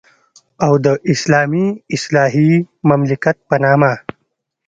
او د اسلامي اصلاحي مملکت په نامه.